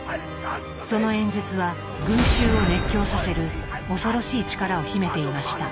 その演説は群衆を熱狂させる恐ろしい力を秘めていました。